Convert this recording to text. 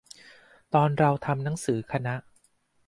ตอนเราทำหนังสือคณะ